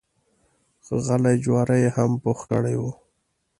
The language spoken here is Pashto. ښه غلي جواري یې هم پوخ کړی و.